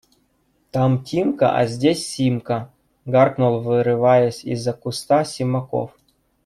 – Там Тимка, а здесь Симка! – гаркнул, вырываясь из-за куста, Симаков.